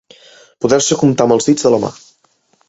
Poder-se comptar amb els dits de la mà.